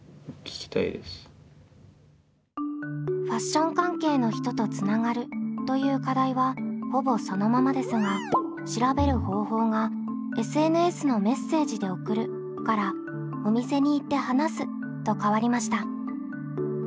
「ファッション関係の人とつながる」という課題はほぼそのままですが調べる方法が「ＳＮＳのメッセージで送る」から「お店に行って話す」と変わりました。